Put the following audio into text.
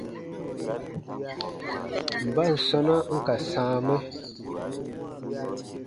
Mban sɔ̃na n ka sãa mɛ ?